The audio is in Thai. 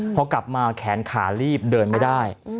พอกลับมาแขนขาลีบเดินไม่ได้